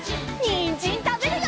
にんじんたべるよ！